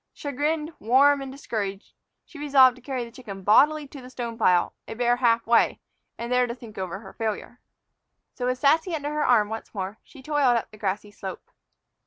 Chagrined, warm, and discouraged, she resolved to carry the chicken bodily to the stone pile, a bare half way, and there think over her failure. So, with Sassy under her arm once more, she toiled up the grassy slope.